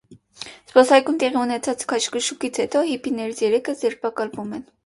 Զբոսայգում տեղի ունեցած քաշքշուկից հետո հիպիներից երեքը ձերբակալվում են։